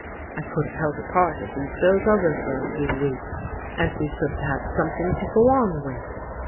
I could have held a part of these bills over for a few weeks, and we should have had something to go on with."